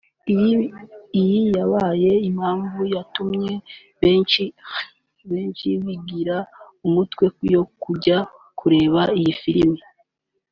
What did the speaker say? Iyi yabaye impamvu yatumye benshi bagira amatsiko yo kujya kureba iyi filime